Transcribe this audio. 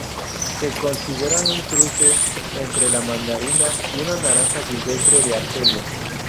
Se consideran un cruce entre la mandarina y una naranja silvestre de Argelia.